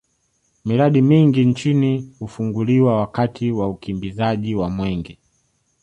miradi mingi nchini hufunguliwa wakati wa ukimbizaji wa mwenge